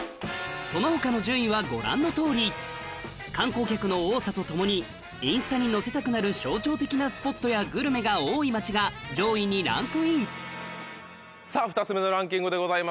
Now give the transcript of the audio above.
その他の順位はご覧のとおり観光客の多さとともにインスタに載せたくなる象徴的なスポットやグルメが多い街が上位にランクイン２つ目のランキングでございます。